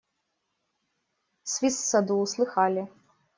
Свист в саду услыхали.